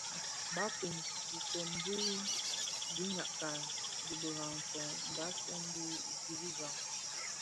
Barkun, dhifom di dhiguňakka di birakong mbasèn bè gil za.